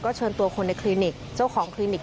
เชิญตัวคนในคลินิกเจ้าของคลินิก